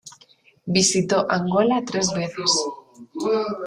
Visitó Angola tres veces.